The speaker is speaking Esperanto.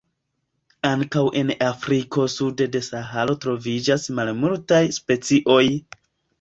Ankaŭ en Afriko sude de Saharo troviĝas malmultaj specioj.